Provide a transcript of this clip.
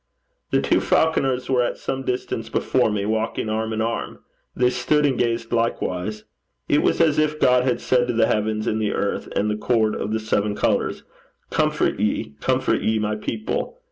The two Falconers were at some distance before me, walking arm in arm. They stood and gazed likewise. It was as if God had said to the heavens and the earth and the chord of the seven colours, 'Comfort ye, comfort ye my people.'